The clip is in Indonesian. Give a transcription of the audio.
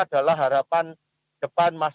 adalah harapan depan